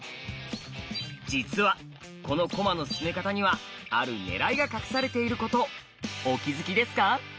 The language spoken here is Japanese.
実はこの駒の進め方にはある「狙い」が隠されていることお気付きですか？